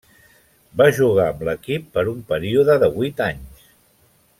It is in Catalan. Va jugar amb l'equip per un període de vuit anys.